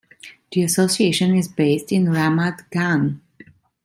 The association is based in Ramat Gan.